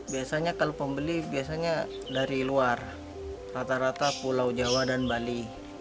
biasanya kalau pembeli biasanya dari luar rata rata pulau jawa dan bali